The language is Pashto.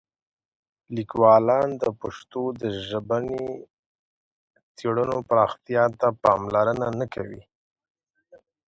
لیکوالان د پښتو د ژبني څېړنو پراختیا ته پاملرنه نه کوي.